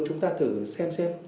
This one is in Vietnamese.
chúng ta thử xem xem